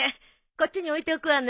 こっちに置いておくわね。